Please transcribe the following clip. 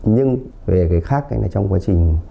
nhưng về cái khác trong quá trình